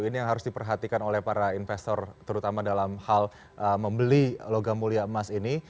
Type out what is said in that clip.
ini yang harus diperhatikan oleh para investor terutama dalam hal membeli logam mulia emas ini